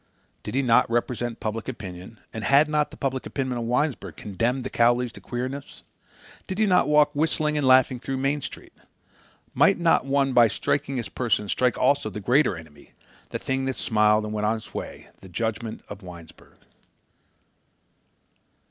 Did he not represent public opinion and had not the public opinion of Winesburg condemned the Cowleys to queerness? Did he not walk whistling and laughing through Main Street? Might not one by striking his person strike also the greater enemy—the thing that smiled and went its own way—the judgment of Winesburg?